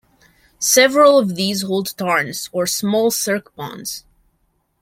Several of these hold tarns, or small cirque ponds.